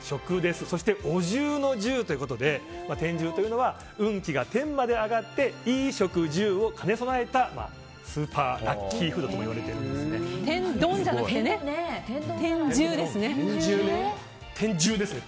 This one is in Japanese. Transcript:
そしてお重の住ということで天重というのは運気が天気まで上がって衣食住を兼ね備えたスーパーラッキーフードと天丼じゃなくて、天重ですね。